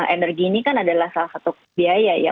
energi ini kan adalah salah satu biaya ya